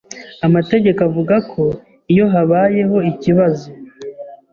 amategeko avuga ko iyo habayeho ikibazo